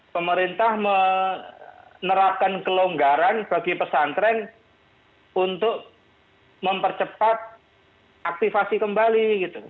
pemerintah menerapkan kelonggaran bagi pesantren untuk mempercepat aktivasi kembali